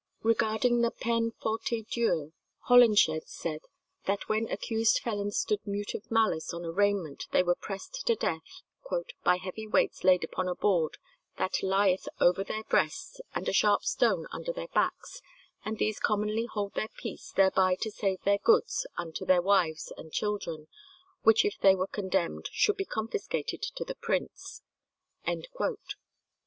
Regarding the peine forte et dure Holinshed says, that when accused felons stood mute of malice on arraignment they were pressed to death "by heavy weights laid upon a board that lieth over their breasts and a sharp stone under their backs, and these commonly hold their peace thereby to save their goods unto their wives and children, which if they were condemned should be confiscated to the prince."